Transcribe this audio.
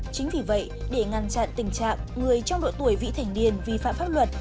chính vì vậy để ngăn chặn tình trạng người trong độ tuổi vị thành niên vi phạm pháp luật